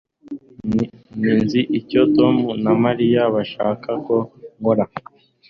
Nzi icyo Tom na Mariya bashaka ko nkora